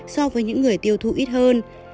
so với những người tiêu thụ ít hơn